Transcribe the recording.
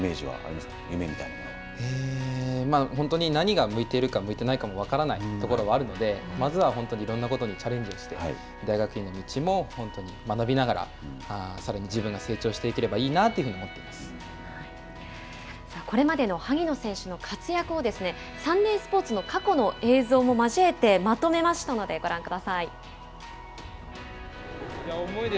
まあ本当に何が向いているか向いていないかも分からないところがあるのでまずは本当にいろんなことにチャレンジして大学院の道も本当に学びながらさらに自分が成長していければこれまでの萩野選手の活躍をサンデースポーツの過去の映像も交えてまとめましたのでご覧ください。